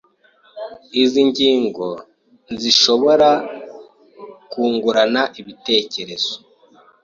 Izi ngingo ntizishobora kungurana ibitekerezo.